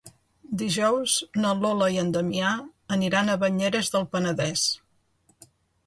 Dijous na Lola i en Damià aniran a Banyeres del Penedès.